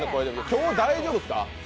今日は大丈夫ですか？